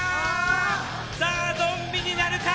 さあ、ゾンビになるか。